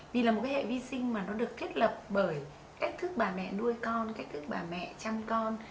vì là một cái hệ vi sinh mà nó được thiết lập bởi cách thức bà mẹ nuôi con cách thức bà mẹ chăm con